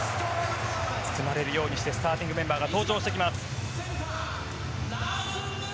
包まれるようにしてスターティングメンバーが登場します。